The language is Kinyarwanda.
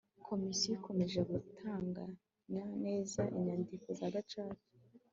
komisiyo ikomeje gutunganya neza inyandiko za gacaca